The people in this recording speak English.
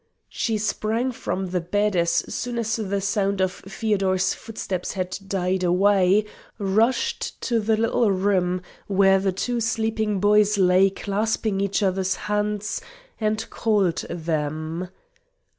She sprang from the bed as soon as the sound of Feodor's footsteps had died away, rushed to the little room where the two sleeping boys lay clasping each other's hands, and called them.